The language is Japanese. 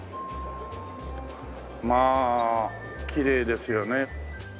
まあきれいですよね。